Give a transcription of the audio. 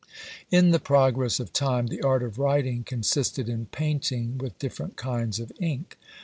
In the progress of time the art of writing consisted in painting with different kinds of ink.